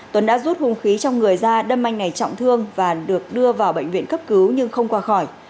tuấn đã rút hung khí trong người ra đâm anh này trọng thương và được đưa vào bệnh viện cấp cứu nhưng không qua khỏi